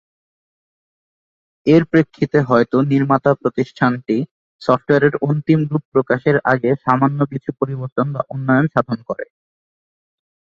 এর প্রেক্ষিতে হয়ত নির্মাতা প্রতিষ্ঠানটি সফটওয়্যারের অন্তিম রূপ প্রকাশের আগে সামান্য কিছু পরিবর্তন বা উন্নয়ন সাধন করে।